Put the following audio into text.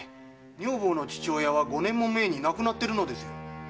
女房の父親は五年も前に亡くなっているのですよ。